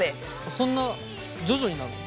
そんな徐々になの？